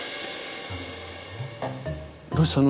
どうしたの？